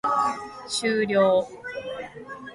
終了